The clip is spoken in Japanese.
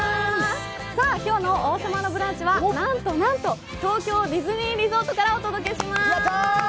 さあ、今日の「王様のブランチ」はなんとなんと、東京ディズニーリゾートからお届けします。